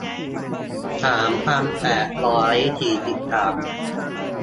สามพันแปดร้อยสี่สิบสาม